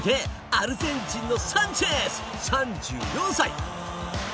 アルゼンチンのサンチェス、３４歳。